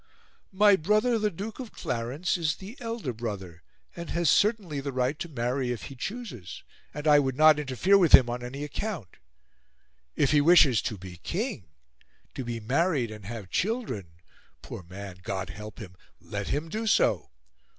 "My brother the Duke of Clarence is the elder brother, and has certainly the right to marry if he chooses, and I would not interfere with him on any account. If he wishes to be king to be married and have children, poor man God help him! Let him do so.